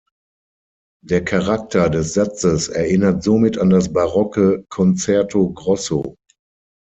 Der Charakter des Satzes erinnert somit an das barocke Concerto grosso.